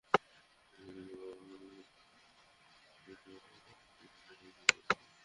West ইন্ডিজের bowling নয়, বাংলাদেশকে চাপে ফেলে দিয়েছে আসলে নিজেদেরই ব্যাটিং।